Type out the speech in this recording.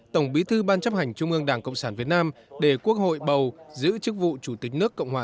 tổng bí thư ban chấp hành trung ương đảng cộng sản việt nam để quốc hội bầu giữ chức vụ chủ tịch nước cộng hòa